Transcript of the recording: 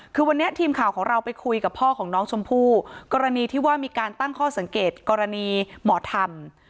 คือวันนี้ทีมข่าวของเราไปคุยกับพ่อของน้องชมพู่กรณีที่ว่ามีการตั้งข้อสังเกตกรณีหมอธรรม